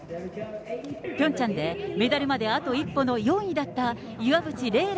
ピョンチャンで、メダルまであと一歩の４位だった、岩渕麗